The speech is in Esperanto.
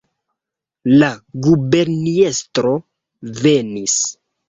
La guberniestro venis!